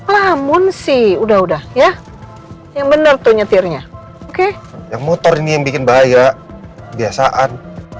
namun si udah udah ya yang bener tuh nyetirnya oke yang motor ini yang bikin bahaya biasaan